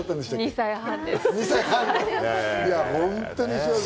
２歳半です。